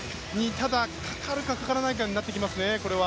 ただ、かかるかかからないかになってきますね。